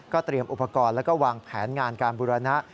เตรียมอุปกรณ์แล้วก็วางแผนงานการบุรณะ